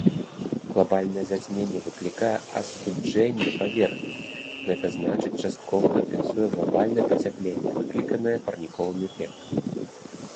Глабальнае зацьменне выклікае астуджэнне паверхні, гэта значыць часткова кампенсуе глабальнае пацяпленне, выкліканае парніковым эфектам.